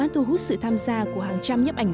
thu hút sự tham gia của hàng trăm nhấp ảnh